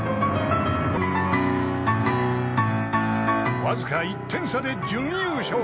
［わずか１点差で準優勝］